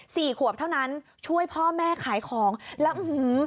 สี่ขวบเท่านั้นช่วยพ่อแม่ขายของแล้วอื้อหือ